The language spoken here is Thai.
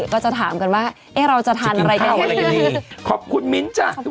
ขอบคุณครอบครับกันตอนนี้